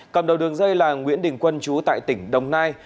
cầm đầu đường dây là nguyễn đình quân chú tại tỉnh đồng nai